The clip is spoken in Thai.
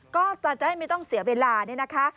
ก็จะได้ไม่ต้องเสียเวลานี่นะคะ